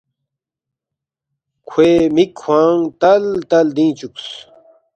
کھوے مِک کھوانگ تَل تَل لدِنگ چُوکس